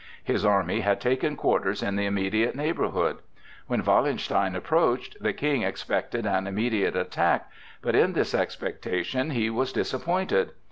His army had taken quarters in the immediate neighborhood. When Wallenstein approached, the King expected an immediate attack, but in this expectation he was disappointed.